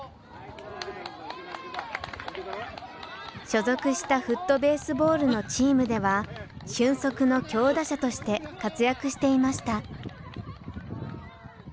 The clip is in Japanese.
所属したフットベースボールのチームでは俊足の強打者として活躍していました。